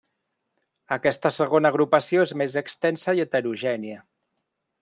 Aquesta segona agrupació és més extensa i heterogènia.